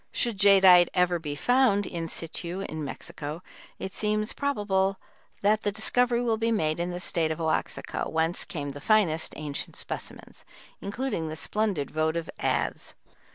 Should jadeite ever be found in situ in Mexico, it seems probable that the discovery will be made in the State of Oaxaca, whence came the finest ancient specimens, including the splendid votive adze.